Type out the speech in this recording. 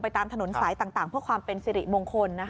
ตามถนนสายต่างเพื่อความเป็นสิริมงคล